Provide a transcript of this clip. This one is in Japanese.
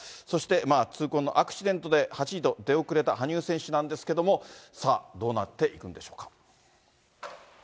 そして痛恨のアクシデントで８位と出遅れた羽生選手なんですけれども、さあ、どうなっていくんでしょうか。